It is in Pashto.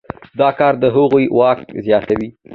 دا کار د هغوی واک زیاتوي.